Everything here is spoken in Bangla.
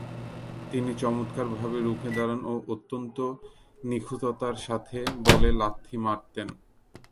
তিনি চমৎকারভাবে রুখে দাঁড়ান ও অত্যন্ত নিখুঁততার সাথে বলে লাথি মারতেন।